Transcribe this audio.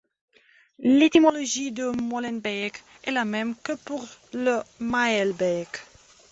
L'étymologie de Molenbeek est la même que pour le Maelbeek.